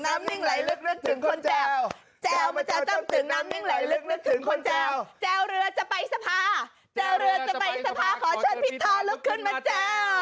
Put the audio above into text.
นึกนึกถึงคนเจ้าเจ้าเรือจะไปสภา